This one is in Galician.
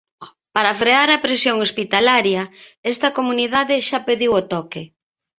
Para frear a presión hospitalaria, esta comunidade xa pediu o toque.